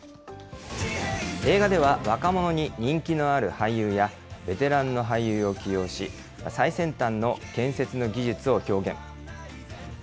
映画では、若者に人気のある俳優や、ベテランの俳優を起用し、最先端の建設の技術を表現。